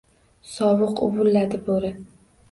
Sovuq. Uvladi bo‘ri.